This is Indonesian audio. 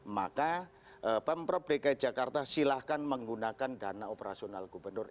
maka pemprov dki jakarta silahkan menggunakan dana operasional gubernur